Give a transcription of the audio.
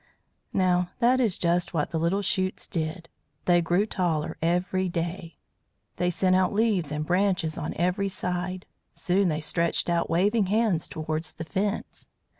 Now that is just what the little shoots did. They grew taller every day; they sent out leaves and branches on every side; soon they stretched out waving hands towards the Fence.